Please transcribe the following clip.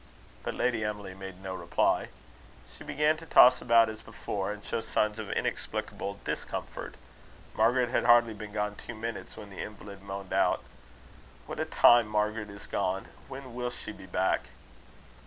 But Lady Emily made no reply. She began to toss about as before, and show signs of inexplicable discomfort. Margaret had hardly been gone two minutes, when the invalid moaned out: "What a time Margaret is gone! when will she be back?"